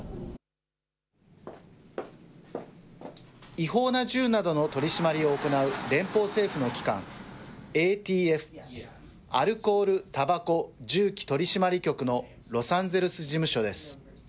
違法な銃などの取締りを行う連邦政府の機関、ＡＴＦ・アルコール・たばこ・銃器取締局のロサンゼルス事務所です。